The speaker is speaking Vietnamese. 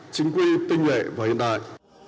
chính quy tinh vệ và hiện đại